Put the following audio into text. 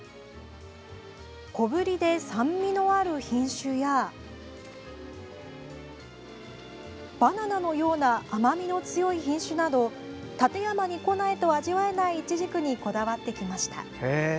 小ぶりで酸味のある品種やバナナのような甘みの強い品種など館山に来ないと味わえないいちじくにこだわってきました。